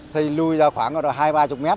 xây lùi ra khoảng hai ba mươi mét